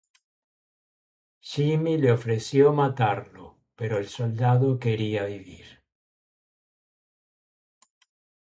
Jimmy le ofreció matarlo pero el soldado quería vivir.